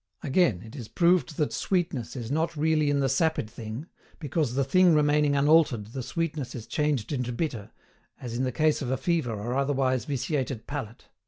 Again, it is proved that SWEETNESS is not really in the sapid thing, because the thing remaining unaltered the sweetness is changed into bitter, as in case of a fever or otherwise vitiated palate.